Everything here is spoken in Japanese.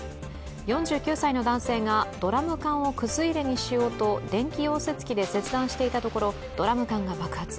４９歳の男性がドラム缶をくず入れにしようと電気溶接機で切断していたところドラム缶が爆発。